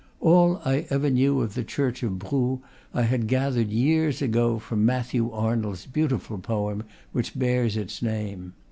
All I ever knew of the church of Brou I had gathered, years ago, from Matthew Arnold's beautiful poem, which bears its name.